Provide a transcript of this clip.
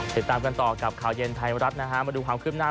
ติดตามกันต่อกับข่าวเย็นไทยรัฐนะฮะมาดูความคืบหน้า